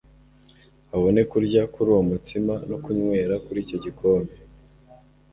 abone kurya kuri uwo mutsima no kunywera kuri icyo gikombe.»